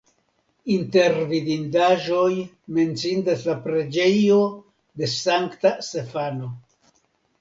Inter vidindaĵoj menciindas la preĝejo de Sankta Stefano.